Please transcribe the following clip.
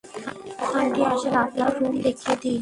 Aunty আসেন, আপনার room দেখিয়ে দেই।